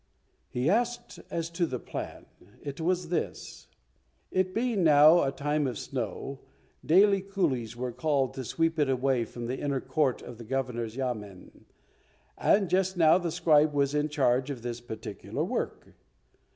He asked as to the plan. It was this: It being now a time of snow, daily coolies were called to sweep it away from the inner court of the Governor's yamen, and just now the scribe was in charge of this particular work.